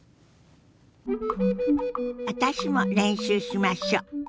私も練習しましょう。